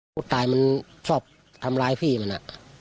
ผู้ตายมันชอบทำร้ายพี่มัน